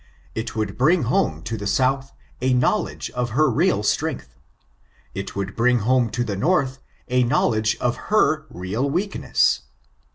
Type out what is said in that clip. It would bring home to the South a knowledge of her real strength. It would bring home to the North a knowledge of her real weakness.